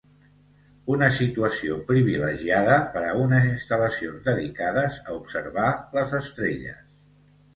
Una situació privilegiada per a unes instal·lacions dedicades a observar les estrelles.